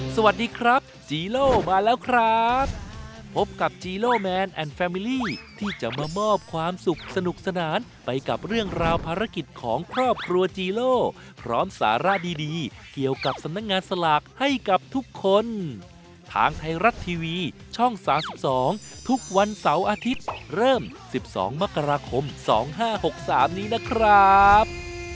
สวัสดีครับจีโล่มาแล้วครับพบกับจีโลแมนแอนดแฟมิลี่ที่จะมามอบความสุขสนุกสนานไปกับเรื่องราวภารกิจของครอบครัวจีโล่พร้อมสาระดีดีเกี่ยวกับสำนักงานสลากให้กับทุกคนทางไทยรัฐทีวีช่อง๓๒ทุกวันเสาร์อาทิตย์เริ่ม๑๒มกราคม๒๕๖๓นี้นะครับ